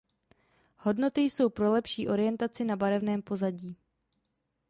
Hodnoty jsou pro lepší orientaci na barevném pozadí.